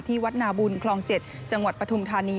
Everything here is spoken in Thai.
วัดนาบุญคลอง๗จังหวัดปฐุมธานี